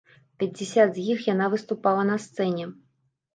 Пяцьдзясят з іх яна выступала на сцэне.